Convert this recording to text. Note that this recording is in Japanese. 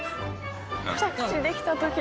着地できた時の。